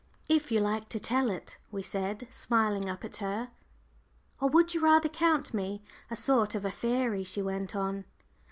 "If you like to tell it," we said, smiling up at her. "Or would you rather count me a sort of a fairy?" she went on.